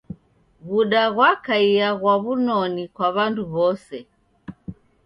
W'uda ghwakaia ghwa w'unoni kwa w'andu w'ose.